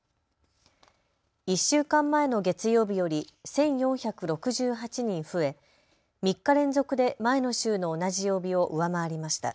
１週間前の月曜日より１４６８人増え、３日連続で前の週の同じ曜日を上回りました。